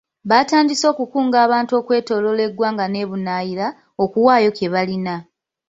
Batandise okukunga abantu okwetooloola eggwanga n'ebunaayira, okuwaayo kyebalina.